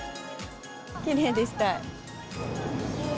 きれいでした。